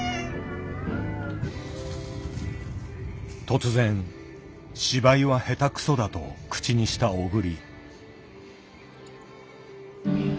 突然「芝居は下手くそだ」と口にした小栗。